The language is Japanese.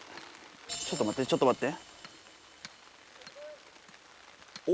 ちょっとまってちょっとまって。